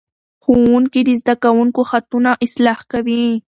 ښوونکي د زده کوونکو خطونه اصلاح کوي.